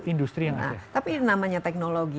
industri yang ada tapi namanya teknologi